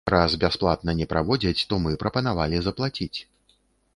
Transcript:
Раз бясплатна не праводзяць, то мы прапанавалі заплаціць.